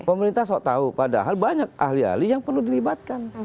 pemerintah sok tahu padahal banyak ahli ahli yang perlu dilibatkan